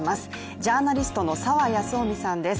ジャーナリストの澤康臣さんです。